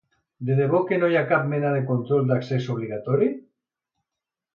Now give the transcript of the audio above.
De debò que no hi ha cap mena de control d'accés obligatori?